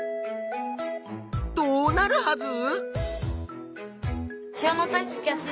どうなるはず？